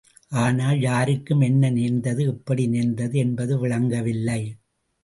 ஆனால், யாருக்கும் என்ன நேர்ந்தது, எப்படி நேர்ந்தது என்பது விளங்கவில்லை.